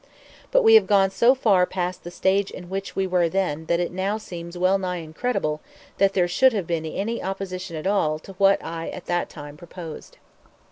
But we have gone so far past the stage in which we then were that now it seems well nigh incredible that there should have been any opposition at all to what I at that time proposed.